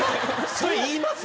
それ言います？